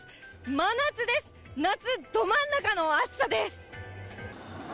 真夏です、夏ど真ん中の暑さです。